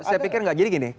saya pikir nggak jadi gini